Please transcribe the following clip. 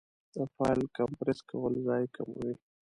د فایل کمپریس کول ځای کموي.